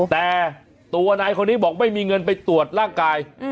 แต่ตัวนายคนนี้บอกไม่มีเงินไปตรวจร่างกาย